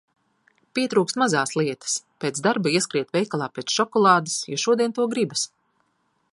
Pietrūkst mazās lietas. Pēc darba ieskriet veikalā pēc šokolādes, jo šodien to gribas.